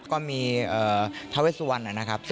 แล้วก็มีเทพสุวรรณนะครับ